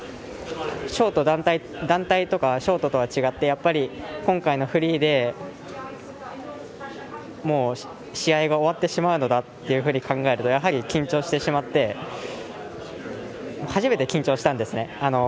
団体とかショートとは違って今回のフリーで試合が終わってしまうのだって考えるとやはり緊張してしまって初めて緊張したんですね。